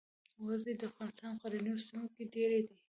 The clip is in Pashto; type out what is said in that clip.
وزې د افغانستان غرنیو سیمو کې ډېرې دي